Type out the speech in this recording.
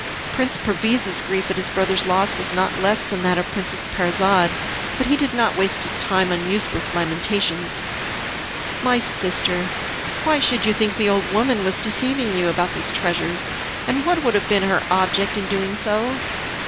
Prince Perviz's grief at his brother's loss was not less than that of Princess Parizade, but he did not waste his time on useless lamentations. "My sister," he said, "why should you think the old woman was deceiving you about these treasures, and what would have been her object in doing so!